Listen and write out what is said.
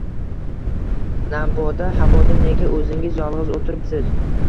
— Namboda havoda nega o’zingiz yolg’iz o’tiribsiz?